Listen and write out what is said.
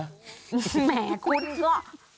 แหมกุ้นอ่ะ